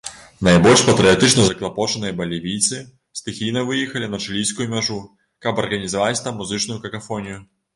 Найбольш патрыятычна заклапочаныя балівійцы стыхійна выехалі на чылійскую мяжу, каб арганізаваць там музычную какафонію.